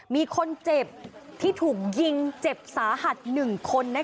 มีคนเจ็บที่ถูกยิงเจ็บสาหัดนึงคนนะคะ